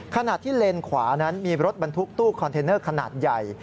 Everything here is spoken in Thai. ขณะที่เลนขวานั้นมีรถบรรทุกตู้คอนเทนเนอร์ขนาดใหญ่